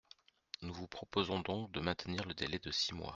Nous vous proposons donc de maintenir le délai de six mois.